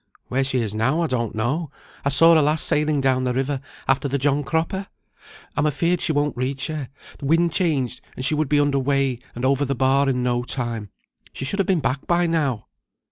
"Where she is now, I don't know. I saw her last sailing down the river after the John Cropper. I'm afeared she won't reach her; wind changed and she would be under weigh, and over the bar in no time. She should have been back by now."